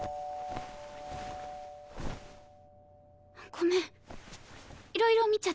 ごめんいろいろ見ちゃって。